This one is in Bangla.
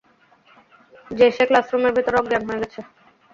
যে সে ক্লাসরুমের ভিতরে অজ্ঞান হয়ে গেছে।